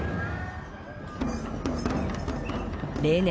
例年